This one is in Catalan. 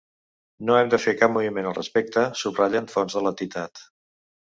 No hem de fer cap moviment al respecte, subratllen fonts de l’entitat.